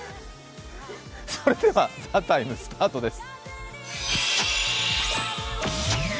それでは「ＴＨＥＴＩＭＥ，」、スタートです。